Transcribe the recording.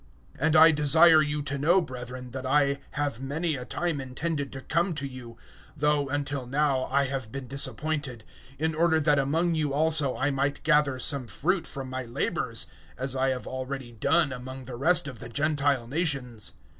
001:013 And I desire you to know, brethren, that I have many a time intended to come to you though until now I have been disappointed in order that among you also I might gather some fruit from my labours, as I have already done among the rest of the Gentile nations.